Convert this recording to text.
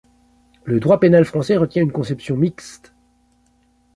Le droit pénal français retient une conception mixte.